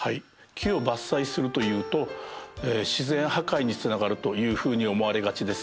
木を伐採するというと自然破壊につながるというふうに思われがちです。